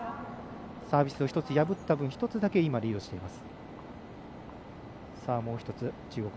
サービスを１つ破った分１つだけリードしています。